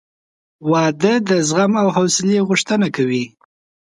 • واده د زغم او حوصلې غوښتنه کوي.